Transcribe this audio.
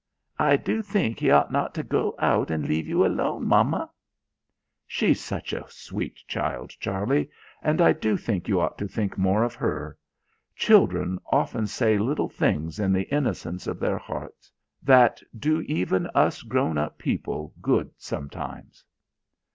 'I do think he ought not to go out and leave you alone, mamma.' She's such a sweet child, Charlie, and I do think you ought to think more of her. Children often say little things in the innocence of their hearts that do even us grown up people good sometimes."